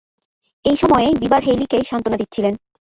এই সময়ে বিবার হেইলিকে সান্ত্বনা দিচ্ছিলেন।